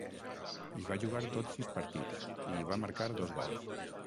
Hi va jugar tots sis partits, i hi va marcar dos gols.